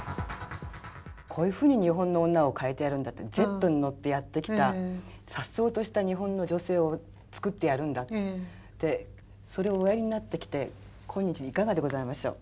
こういうふうに日本の女を変えてやるんだってジェットに乗ってやって来たさっそうとした日本の女性を作ってやるんだってそれをおやりになってきて今日いかがでございましょう？